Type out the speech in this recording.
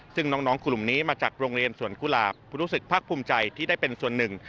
ซึ่งน้องกลุ่มนี้มาจากโรงเรียนสวนกุหลาบรู้สึกภาคภูมิใจที่ได้เป็นส่วนหนึ่ง